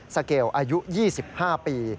สเกลอายุ๒๕ปี